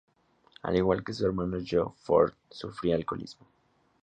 Al igual que su hermano John, Ford sufría alcoholismo.